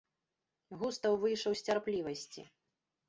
Густаў выйшаў з цярплівасці.